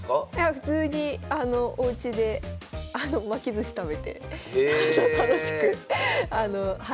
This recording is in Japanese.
普通におうちで巻きずし食べて楽しくゲームしたりとか。